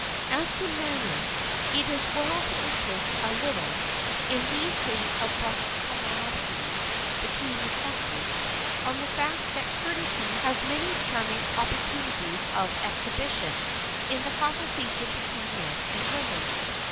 As to manner, it is well to insist a little, in these days of brusk camaraderie between the sexes, on the fact that courtesy has many charming opportunities of exhibition in the conversation between men and women.